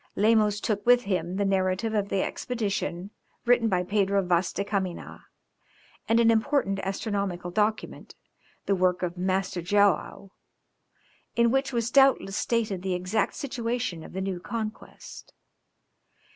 Lemos took with him the narrative of the expedition written by Pedro Vaz de Caminha, and an important astronomical document, the work of Master Joao, in which was doubtless stated the exact situation of the new conquest.